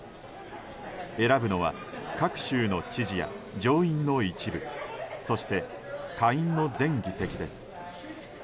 選ぶのは各州の知事や上院の一部そして下院の全議席です。